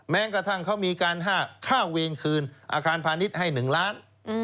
แม้กระทั่งเขามีการค่าเวรคืนอาคารพาณิชย์ให้๑ล้าน